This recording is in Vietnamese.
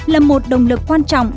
là một động lực quan trọng